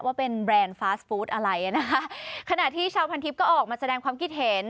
ว่าเป็นแบรนด์ฟาสฟู้ดอะไรอ่ะนะคะขณะที่ชาวพันทิพย์ก็ออกมาแสดงความคิดเห็น